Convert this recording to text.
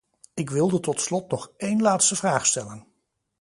Ik wilde tot slot nog één laatste vraag stellen.